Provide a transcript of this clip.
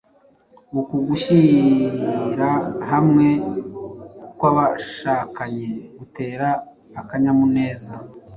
Uku gushyira hamwe kw’abashakanye gutera akanyamuneza